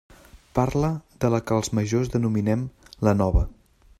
Parle de la que els majors denominem la Nova.